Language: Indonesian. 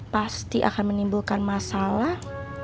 pasti akan menimbulkan masalah